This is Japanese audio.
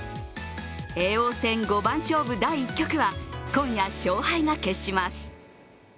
叡王戦五番勝負第１局は今夜、勝敗が決します。